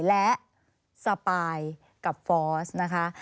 และสปายกับฟอสนะคะ